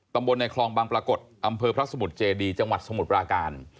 ตำบลในคลองบางปรากฏอำเภอพระสมุทรเจดีจังหวัดสมุทรปราการ